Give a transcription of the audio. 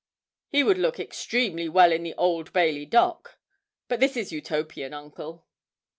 He would look extremely well in the Old Bailey dock. But this is Utopian, Uncle.'